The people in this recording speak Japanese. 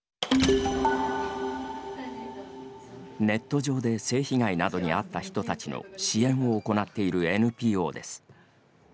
ネット上で性被害などに遭った人たちの支援を行っているＮＰＯです。